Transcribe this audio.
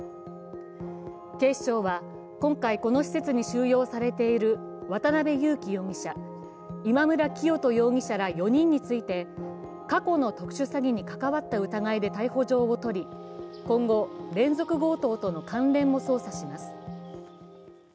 警視庁は今回、この施設に収容されている渡辺優樹容疑者今村磨人容疑者ら４人について過去の特殊詐欺に関わった疑いで逮捕状を取り、今後、連続強盗との関連も捜査します。